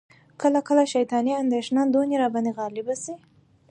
کله کله شیطاني اندیښنه دونه را باندي غالبه سي،